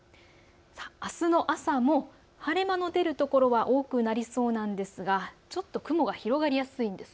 あすの朝も晴れ間の出る所は多くなりそうですがちょっと雲が広がりやすいです。